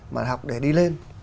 mà học để đi lên